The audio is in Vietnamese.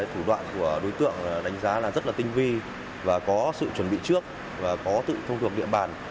thủ đoạn của đối tượng đánh giá là rất là tinh vi và có sự chuẩn bị trước và có tự thông thuộc địa bàn